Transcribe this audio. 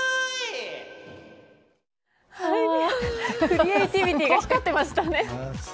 クリエイティビティーが光っていましたね。